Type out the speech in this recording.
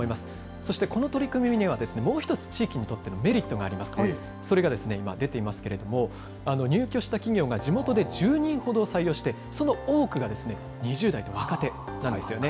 そしてこの取り組みには、もう一つ、地域にとってのメリットがありまして、それが、出ていますけれども、入居した企業が地元で１０人ほどを採用して、その多くが２０代と若手なんですよね。